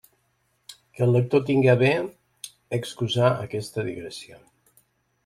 Que el lector tinga a bé d'excusar aquesta digressió.